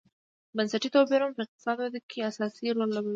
بنسټي توپیرونه په اقتصادي ودې کې اساسي رول لوبوي.